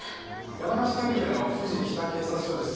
山梨県警の富士北警察署です。